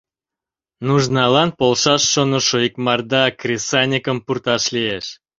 Нужналан полшаш шонышо икмарда кресаньыкым пурташ лиеш.